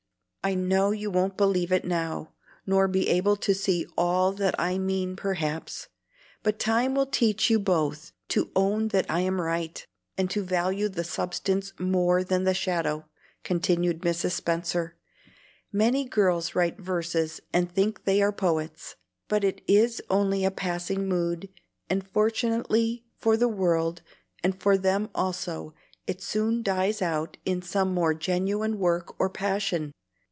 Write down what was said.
"I know you won't believe it now, nor be able to see all that I mean perhaps, but time will teach you both to own that I am right, and to value the substance more than the shadow," continued Mrs. Spenser. "Many girls write verses and think they are poets; but it is only a passing mood, and fortunately for the world, and for them also, it soon dies out in some more genuine work or passion.